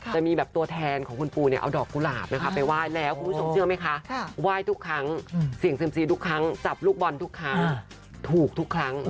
จะมีแบบตัวแทนของคุณปูเนี่ยเอาดอกกุหลาบนะคะไปไหว้แล้วคุณผู้ชมเชื่อไหมคะไหว้ทุกครั้งเสี่ยงเซียมซีทุกครั้งจับลูกบอลทุกครั้งถูกทุกครั้ง